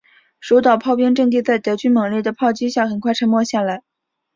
守岛炮兵阵地在德军猛烈的炮击下很快沉默下来。